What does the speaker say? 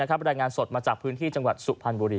รายงานสดมาจากพื้นที่จังหวัดสุพรรณบุรี